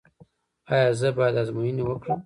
ایا زه باید ازموینې وکړم؟